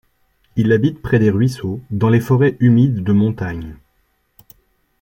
Il habite près des ruisseaux, dans les forêts humides de montagne.